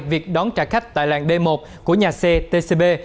việc đón trả khách tại làng d một của nhà xe tcb